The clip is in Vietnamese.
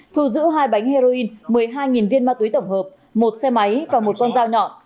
thu giữ hai bánh heroin một mươi hai viên ma túy tổng hợp một xe máy và một con dao nhọn